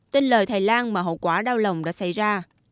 tin lời thầy lang mà hậu quả đau lòng đã xảy ra